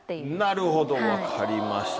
なるほど分かりました。